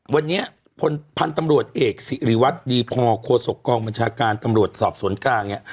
วันนี้พลพันธุ์ตำรวจเอกสิริวัตรดีพอโคศกกองบัญชาการตำรวจสอบสวนกลางเนี่ย